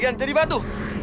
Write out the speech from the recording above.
kalian jadi batu